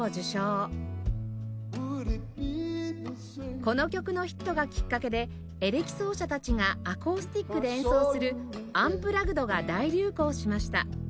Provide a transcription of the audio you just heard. この曲のヒットがきっかけでエレキ奏者たちがアコースティックで演奏する「アンプラグド」が大流行しました